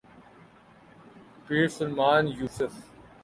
Pir Salman Yusuf.